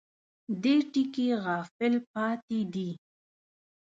دې ټکي غافل پاتې دي.